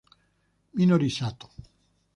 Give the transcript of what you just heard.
Minori Sato